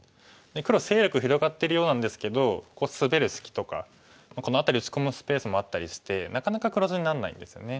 黒勢力広がってるようなんですけどここスベる隙とかこの辺り打ち込むスペースもあったりしてなかなか黒地になんないんですよね。